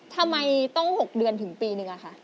ทำไมต้อง๖เดือนถึงปีหนึ่งครับ